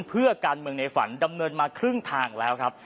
เพื่อการเมืองในฝันดำเนินมาครึ่งทางแล้วครับ